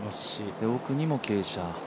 で、奥にも傾斜。